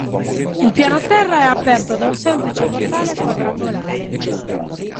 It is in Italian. Il piano terra è aperto da un semplice portale quadrangolare.